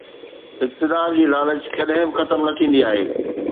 اقتدار جي لالچ ڪڏهن به ختم نه ٿيندي آهي